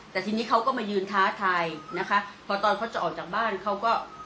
แต่ทีนี้เขาก็มายืนท้าทายนะคะพอตอนเขาจะออกจากบ้านเขาก็